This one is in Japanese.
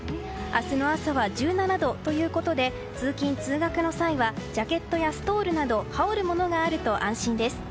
明日の朝は１７度ということで通勤・通学の際はジャケットやストールなど羽織るものがあると安心です。